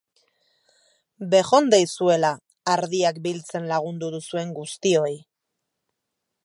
Bejondeizuela ardiak biltzen lagundu duzuen guztioi!